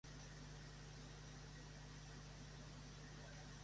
Tres álbumes los grabó como líder de la banda 'La Tribu de Benjamín'.